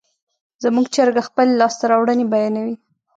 زموږ چرګه خپلې لاسته راوړنې بیانوي.